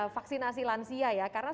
vaksinasi lansia ya karena